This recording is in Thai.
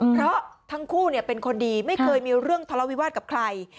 เพราะทั้งคู่เป็นคนดีไม่เคยมีเรื่องทะเลาวิวาสกับใคร